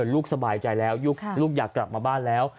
ลูกสบายใจแล้วลูกอยากกลับมาบ้านแล้ว